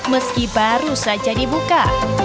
meski baru saja dibuka